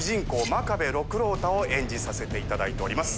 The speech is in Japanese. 真壁六郎太を演じさせていただいております。